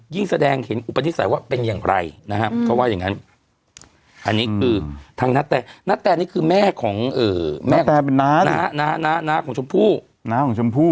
แสดงเห็นอุปนิสัยว่าเป็นอย่างไรนะครับเขาว่าอย่างนั้นอันนี้คือทางนาแตนี่คือแม่ของแม่ของน้าของชมพู่น้าของชมพู่